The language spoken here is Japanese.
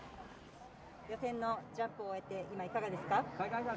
予選のジャンプを終えていかがですか？